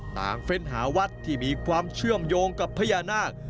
เฟ้นหาวัดที่มีความเชื่อมโยงกับพญานาค